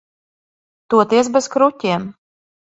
Toties bez kruķiem.